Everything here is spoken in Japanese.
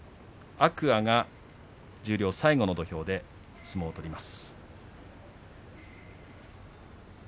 天空海が十両最後の土俵で相撲を取ります。